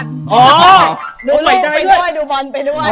สองสาวผมก็ดูบอน